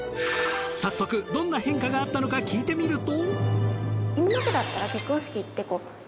早速どんな変化があったのか聞いてみると。